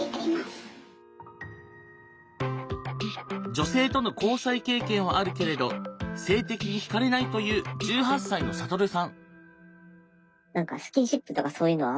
女性との交際経験はあるけれど性的にひかれないという１８歳のサトルさん。